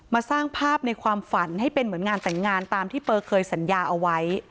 สร้างภาพในความฝันให้เป็นเหมือนงานแต่งงานตามที่เปอร์เคยสัญญาเอาไว้